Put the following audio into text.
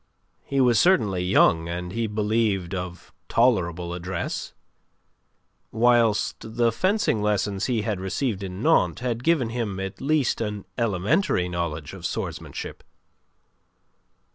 He was certainly young and he believed of tolerable address, whilst the fencing lessons he had received in Nantes had given him at least an elementary knowledge of swordsmanship.